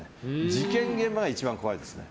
事件現場が一番怖いですね。